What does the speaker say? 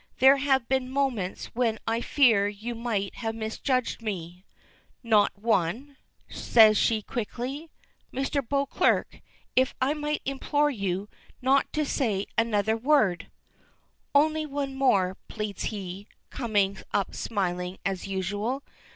There have been moments when I fear you may have misjudged me " "Not one," says she quickly. "Mr. Beauclerk, if I might implore you not to say another word " "Only one more," pleads he, coming up smiling as usual.